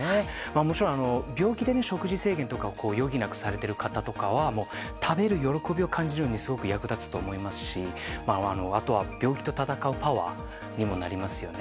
もちろん、病気で食事制限とかを余儀なくされている方とかは食べる喜びを感じるのにすごく役立つと思いますしあとは、病気と闘うパワーにもなりますよね。